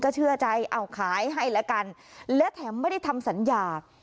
เชื่อใจเอาขายให้ละกันและแถมไม่ได้ทำสัญญา